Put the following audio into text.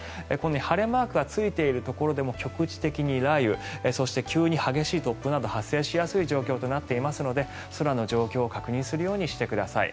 晴れマークがついているところでも局地的に雷雨そして、急に激しい突風など発生しやすい状況となっていますので空の状況を確認するようにしてください。